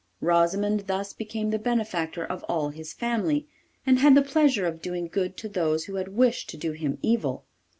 Rosimond thus became the benefactor of all his family, and had the pleasure of doing good to those who had wished to do him evil.